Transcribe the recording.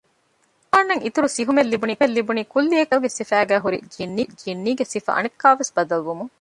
ރުކާންއަށް އިތުރު ސިހުމެއް ލިބުނީ ކުއްލިއަކަށް މާޝަލްގެ ސިފައިގައި ހުރި ޖިންނީގެ ސިފަ އަނެއްކާވެސް ބަދަލުވުމުން